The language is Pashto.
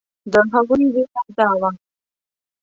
د هغوی وېره دا وه.